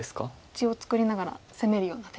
地を作りながら攻めるような手ですか。